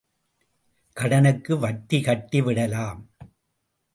கடனுக்கு வட்டி கட்டி விடலாம்.